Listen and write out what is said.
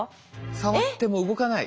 触っても動かない。